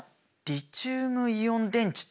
リチウムイオン電池って何？